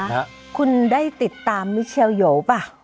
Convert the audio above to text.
คุณมิสทีนค่ะคุณได้ติดตามมิเชียลโยวป่ะ